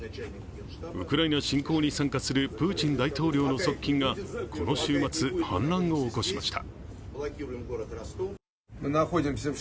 ウクライナ侵攻に参加するプーチン大統領の側近がこの週末、反乱を起こしました。